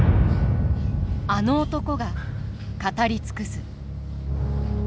あの男が語り尽くす。